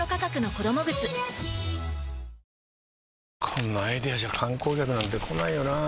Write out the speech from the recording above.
こんなアイデアじゃ観光客なんて来ないよなあ